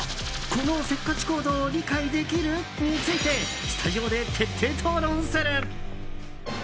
このせっかち行動理解できる？についてスタジオで徹底討論する。